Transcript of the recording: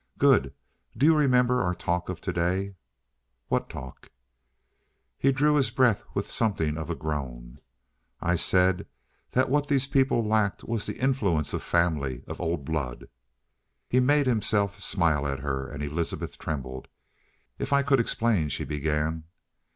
"Good. Do you remember our talk of today?" "What talk?" He drew his breath with something of a groan. "I said that what these people lacked was the influence of family of old blood!" He made himself smile at her, and Elizabeth trembled. "If I could explain " she began.